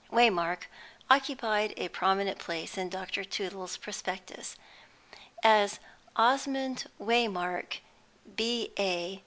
Waymark occupied a prominent place in Dr. Tootle's prospectus. As Osmond Waymark, B.A.